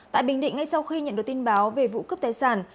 tại bình định ngay sau khi nhận được tin báo về vụ cướp tài sản